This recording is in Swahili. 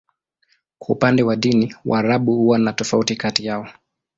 Kwa upande wa dini, Waarabu huwa na tofauti kati yao.